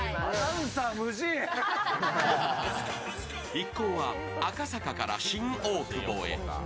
一行は赤坂から新大久保へ。